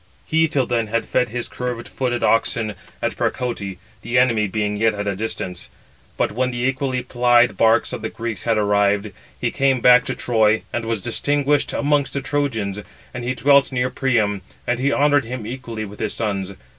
He till then had fed his curved footed oxen at Percote, the enemy being yet at a distance; but when the equally plied barks of the Greeks had arrived, he came back to Troy, and was distinguished amongst the Trojans; and he dwelt near Priam, and he honoured him equally with his sons.